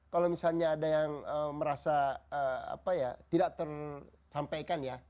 kalau misalnya ada yang merasa tidak tersampaikan ya